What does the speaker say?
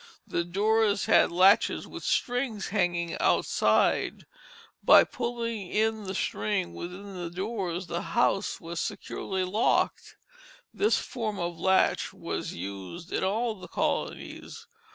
The doors had latches with strings hanging outside; by pulling in the string within doors the house was securely locked. This form of latch was used in all the colonies.